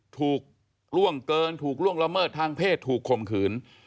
ถูกล่วงเกินถูกล่วงละเมิดทางเพศถูกข่มขืน